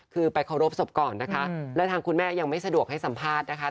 คือไปเคารพศพก่อนนะคะและทางคุณแม่ยังไม่สะดวกให้สัมภาษณ์นะคะ